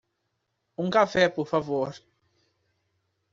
Um cafê por favor.